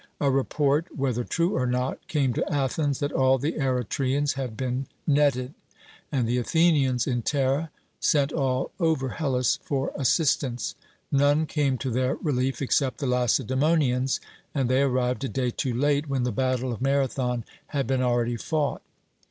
A report, whether true or not, came to Athens that all the Eretrians had been 'netted'; and the Athenians in terror sent all over Hellas for assistance. None came to their relief except the Lacedaemonians, and they arrived a day too late, when the battle of Marathon had been already fought.